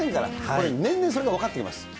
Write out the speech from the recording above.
これ、年々それが分かってきます。